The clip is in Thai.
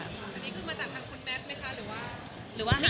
ตอนนี้คือมาจากทางคุณแม็กซ์ไหมคะ